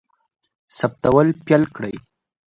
روا هوسونه انسان نه ناکام کوي.